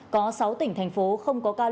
có sáu tỉnh thành phố không có ca nhiễm